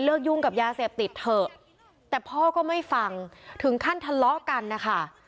ยุ่งกับยาเสพติดเถอะแต่พ่อก็ไม่ฟังถึงขั้นทะเลาะกันนะคะ